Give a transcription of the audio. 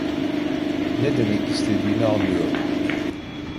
Ne demek istediğini anlıyorum.